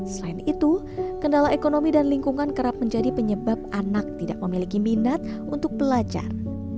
selain itu kendala ekonomi dan lingkungan kerap menjadi penyebab anak tidak memiliki minat untuk belajar